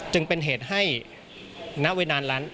จึงเป็นเหตุให้นาวินาลร้าน